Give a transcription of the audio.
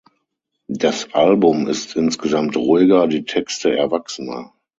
Das Album ist insgesamt ruhiger, die Texte erwachsener.